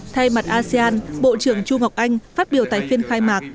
thay mặt asean bộ trưởng chu ngọc anh phát biểu tại phiên khai mạc